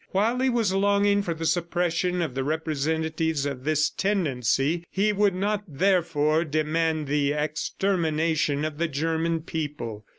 While he was longing for the suppression of the representatives of this tendency, he would not, therefore, demand the extermination of the German people.